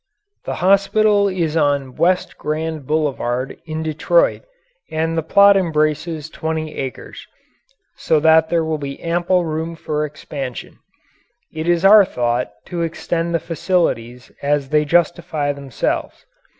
The hospital is on West Grand Boulevard in Detroit and the plot embraces twenty acres, so that there will be ample room for expansion. It is our thought to extend the facilities as they justify themselves.